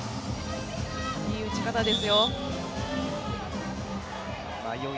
いい打ち方ですよ。